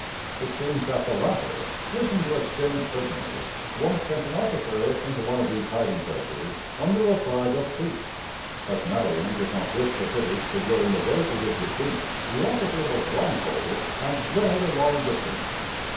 It seems that the latter, wishing to exchange prisoners, once sent an officer into one of these hiding places under a flag of truce. As Marion did not wish the British to learn the way to his retreat, this officer was blindfolded and led a long distance.